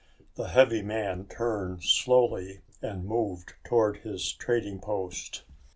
The heavy man turned slowly and moved toward his trading post.